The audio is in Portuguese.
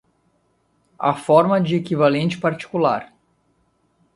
A forma de equivalente particular